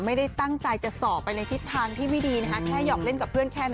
ไม่ได้ตั้งใจจะสอบไปในทิศทางที่ไม่ดีนะคะ